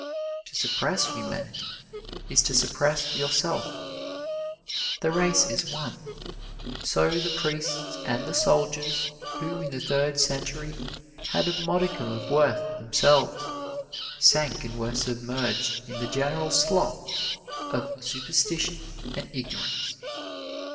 To suppress humanity is to suppress yourself. The race is one. So the priests and the soldiers who in the Third Century had a modicum of worth themselves, sank and were submerged in the general slough of superstition and ignorance.